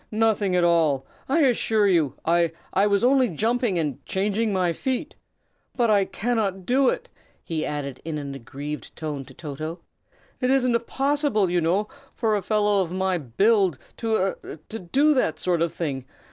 nothing at all, I assure you. I I was only jumping and changing my feet. But I cannot do it!" he added, in an aggrieved tone, to Toto. "It isn't possible, you know, for a fellow of my build to a do that sort of thing.